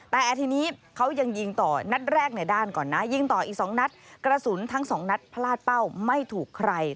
แต่ทีนี้เขายังยิงต่อนัดแรกในด้านก่อนนะยิงต่ออีก๒นัดกระสุนทั้งสองนัดพลาดเป้าไม่ถูกใคร